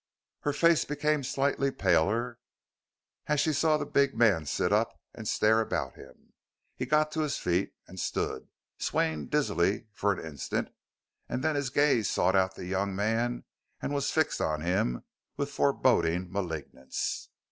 Her face became slightly paler as she saw the big man sit up and stare about him. He got to his feet and stood, swaying dizzily for an instant, and then his gaze sought out the young man and was fixed on him with foreboding malignance.